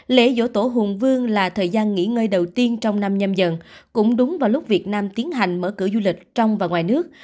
lễ dỗ tổ hùng vương là thời gian nghỉ ngơi đầu tiên trong năm nhâm dần cũng đúng vào lúc việt nam tiến hành mở cửa du lịch trong và ngoài nước